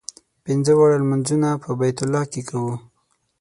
پنځه واړه لمونځونه په بیت الله کې کوو.